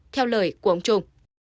theo lời của ông trung